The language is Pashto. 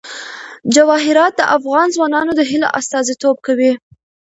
جواهرات د افغان ځوانانو د هیلو استازیتوب کوي.